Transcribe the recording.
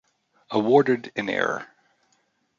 Awarded in error.